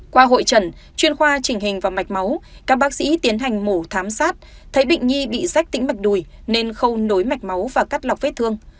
qua hội trần chuyên khoa chỉnh hình và mạch máu các bác sĩ tiến hành mổ thám sát thấy bệnh nhi bị rách tĩnh mạch đùi nên khâu nối mạch máu và cắt lọc vết thương